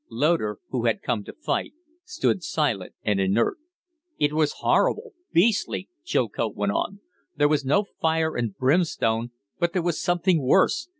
Loder, who had come to fight, stood silent and inert. "It was horrible beastly," Chilcote went on. "There was no fire and brimstone, but there was something worse.